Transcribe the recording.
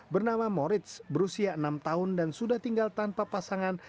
bernama moridz berusia enam tahun dan sudah tinggal tanpa pasangan